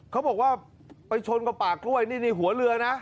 เขาบอกว่าไปชนกับป่ากล้วยนี่นี่หัวเรือนะ